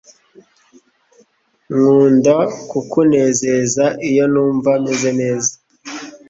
Nknda kukunezeza iyo numva meze neza